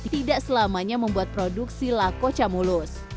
tidak selamanya membuat produksi lako camulus